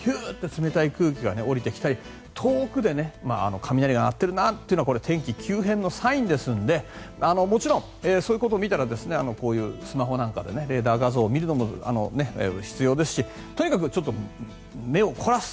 そういう時ってヒューと冷たい空気が吹いてきたり、遠くで雷が鳴っているなというのは天気急変のサインですのでもちろん、そういうことを見たらスマホなんかでレーダー画像を見るのも必要ですしとにかく目を凝らす。